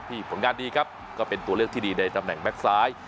ผลงานดีครับก็เป็นตัวเลือกที่ดีในตำแหน่งแก๊กซ้าย